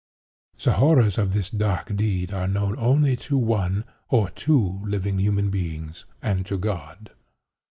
The horrors of this dark deed are known only to one, or two, living human beings, and to God.